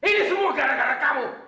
ini semua gara gara kamu